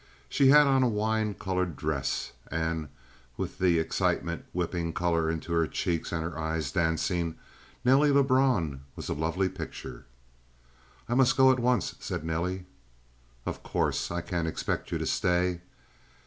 She had on a wine colored dress, and, with the excitement whipping color into her cheeks and her eyes dancing, Nelly Lebrun was a lovely picture. "I must go at once," said Nelly. "Of course, I can't expect you to stay."